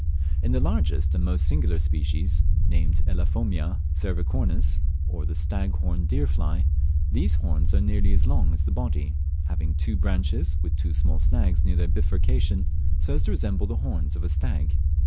In the largest and most singular species, named Elaphomia cervicornis or the stag horned deer fly, these horns are nearly as long as the body, having two branches, with two small snags near their bifurcation, so as to resemble the horns of a stag.